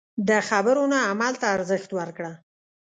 د خبرو نه عمل ته ارزښت ورکړه.